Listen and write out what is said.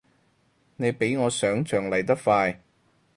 你比我想像嚟得快